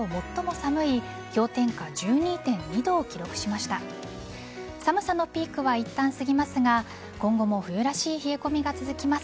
寒さのピークはいったん過ぎますが今後も冬らしい冷え込みが続きます。